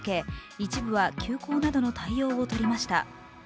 一部は休校などの対応をとりました。